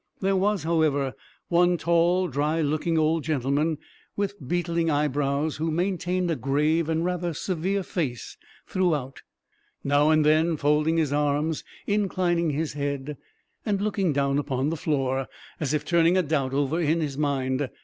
There was, however, one tall, dry looking old gentleman, with beetling eyebrows, who maintained a grave and rather severe face throughout; now and then folding his arms, inclining his head, and looking down upon the floor, as if turning a doubt over in his mind.